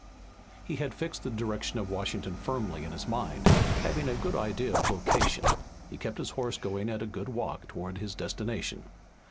He had fixed the direction of Washington firmly in his mind, and having a good idea of location, he kept his horse going at a good walk toward his destination.